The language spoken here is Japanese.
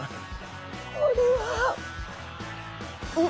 これは。